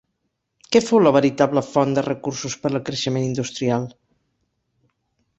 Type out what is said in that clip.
Què fou la veritable font de recursos per al creixement industrial?